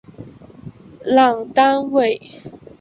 朗丹韦。